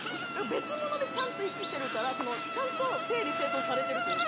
別物でちゃんと生きてるからちゃんと整理整頓されてるというか。